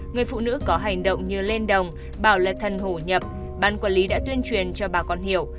người phụ nữ có hành động như lên đồng bảo là thần hổ nhập ban quản lý đã tuyên truyền cho bà con hiểu